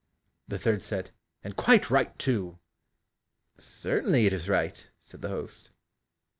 The third said, "And quite right too!" "Certainly it is right," said the host.